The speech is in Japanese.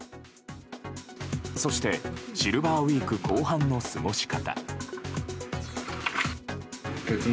そしてシルバーウィーク後半の過ごし方。